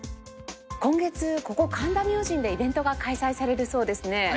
今月ここ神田明神でイベントが開催されるそうですね。